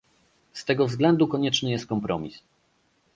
Z tego względu konieczny jest kompromis